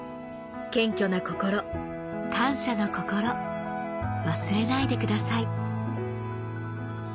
謙虚な心感謝の心忘れないでください」